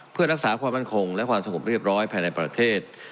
เพื่อรักษาความมั่นคงและความสงบเรียบร้อยภายในประเทศ